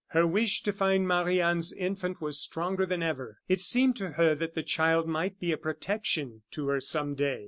Her wish to find Marie Anne's infant was stronger than ever. It seemed to her that the child might be a protection to her some day.